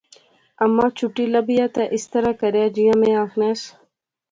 اماں چٹھی لبیا تے اس طرح کریا جیاں میں آخنیس